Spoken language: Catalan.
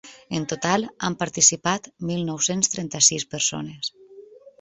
En total han participat mil nou-cents trenta-sis persones.